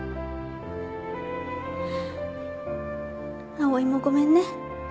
碧唯もごめんね。